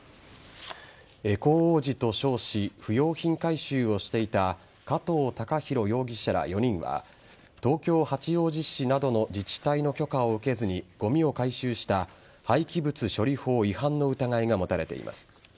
エコ王子と称し不用品回収をしていた加藤恭大容疑者ら４人は東京・八王子市などの自治体の許可を受けずにごみを回収した廃棄物処理法違反の疑いが持たれています。